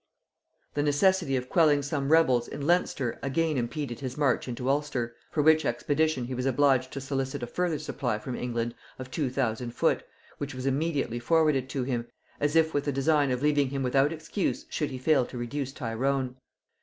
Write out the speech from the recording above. The necessity of quelling some rebels in Leinster again impeded his march into Ulster; for which expedition he was obliged to solicit a further supply from England of two thousand foot, which was immediately forwarded to him, as if with the design of leaving him without excuse should he fail to reduce Tyrone.